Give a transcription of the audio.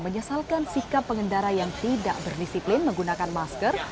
menyesalkan sikap pengendara yang tidak berdisiplin menggunakan masker